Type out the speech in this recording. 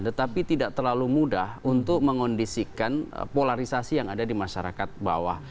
tetapi tidak terlalu mudah untuk mengondisikan polarisasi yang ada di masyarakat bawah